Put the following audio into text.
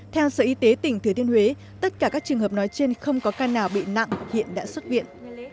theo sở y tế tỉnh thừa thiên huế tất cả các trường hợp nói trên không có ca nào bị nặng hiện đã xuất viện